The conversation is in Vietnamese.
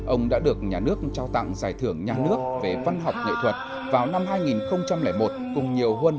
ông đã được nhà nước trao tặng giải thưởng nhà nước về văn học nghệ thuật vào năm hai nghìn một cùng nhiều huân huy trường cảo quý khác